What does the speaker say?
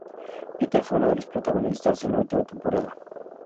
Peter, fue uno de los protagonistas en la última temporada.